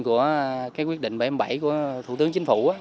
của thủ tướng chính phủ